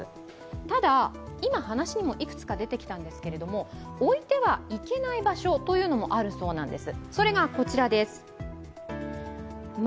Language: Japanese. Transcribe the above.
ただ、今、話にもいくつか出てきたんですが、置いてはいけない場所というのもあるそうなんです。